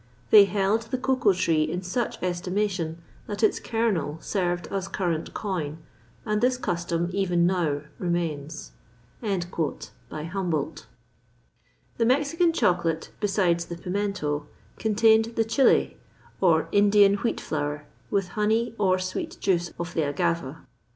They held the cocoa tree in such estimation, that its kernel served as current coin, and this custom even now remains." HUMBOLDT. The Mexican chocolate, besides the pimento, contained the chile, or Indian wheat flour, with honey, or sweet juice of the agava.